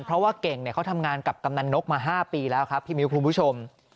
เพราะว่าเก่งเขาทำงานกับกำนันนกมา๕ปีแล้วครับพี่มิ้วคุณผู้ชม